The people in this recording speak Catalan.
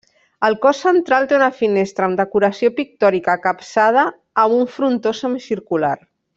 El cos central té una finestra amb decoració pictòrica capçada amb un frontó semicircular.